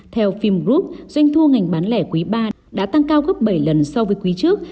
theo film group doanh thu ngành bán lẻ quý ba đã tăng cao gấp bảy lần so với quý trước